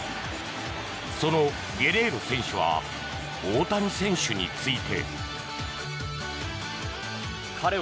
そのゲレーロ選手は大谷選手について。